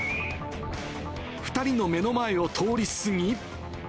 ２人の目の前を通りすぎ。